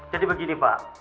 jadi begini pak